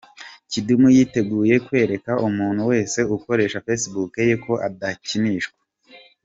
Kidum yiteguye kwereka umuntu wese ukoresha facebook ye ko adakinishwa.